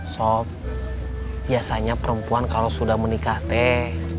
sob biasanya perempuan kalau sudah menikah